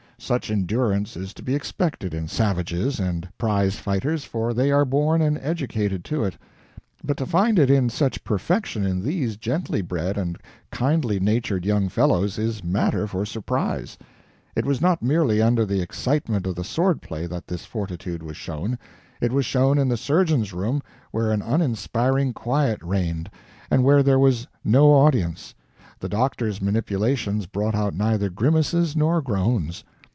Such endurance is to be expected in savages and prize fighters, for they are born and educated to it; but to find it in such perfection in these gently bred and kindly natured young fellows is matter for surprise. It was not merely under the excitement of the sword play that this fortitude was shown; it was shown in the surgeon's room where an uninspiring quiet reigned, and where there was no audience. The doctor's manipulations brought out neither grimaces nor moans.